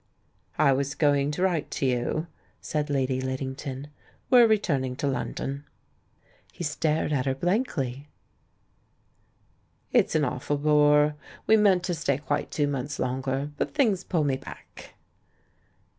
"I was going to write to you," said Lady Lid dington; "we're returning to London." He stared at her blankly. "It's an awful bore; we meant to stay quite two months longer. But things pull me back."